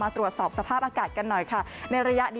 ตรวจสอบสภาพอากาศ